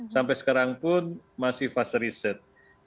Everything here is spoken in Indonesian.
sampai sekarang pun masih fase riset